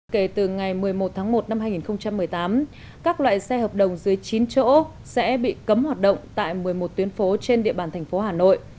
kể từ ngày một mươi một tháng một năm hai nghìn một mươi tám các loại xe hợp đồng dưới chín chỗ sẽ bị cấm hoạt động tại một mươi một tuyến phố trên địa bàn thành phố hà nội